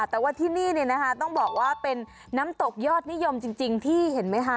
แต่ว่าที่นี่ต้องบอกว่าเป็นน้ำตกยอดนิยมจริงที่เห็นไหมคะ